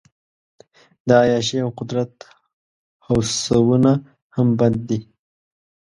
د عیاشۍ او قدرت هوسونه هم بد دي.